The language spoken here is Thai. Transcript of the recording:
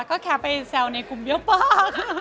ก็แค่ไปแซวในกลุ่มเบี้ยวปาก